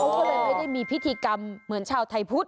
เขาก็เลยไม่ได้มีพิธีกรรมเหมือนชาวไทยพุทธ